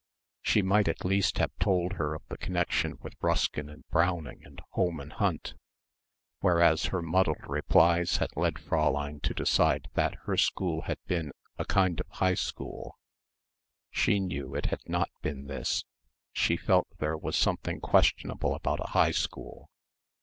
She might at least have told her of the connection with Ruskin and Browning and Holman Hunt, whereas her muddled replies had led Fräulein to decide that her school had been "a kind of high school." She knew it had not been this. She felt there was something questionable about a high school.